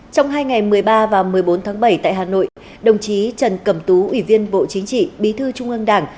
trong hai ngày một mươi ba và một mươi bốn tháng bảy tại hà nội đồng chí trần cẩm tú ủy viên bộ chính trị bí thư trung ương đảng